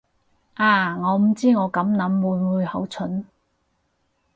啊，我唔知我咁諗會唔會好蠢